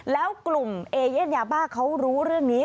แล้วกลุ่มเอเย่นยาบ้าเขารู้เรื่องนี้